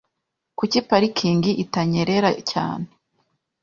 Kuki parikingi itanyerera cyane.?